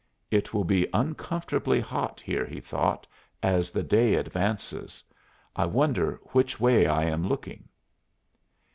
"It will be uncomfortably hot here," he thought, "as the day advances. I wonder which way I am looking."